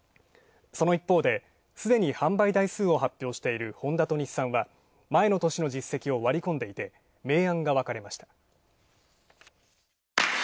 その一方で、すでに販売台数を発表しているホンダと日産は前の年の実績を割り込んでいて、明暗が分かれました。